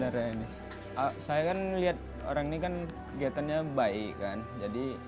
dulu dengan sekarang beda sekali